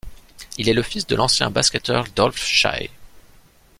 Il est le fils de l'ancien basketteur Dolph Schayes.